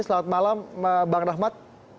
selamat malam bang rahmat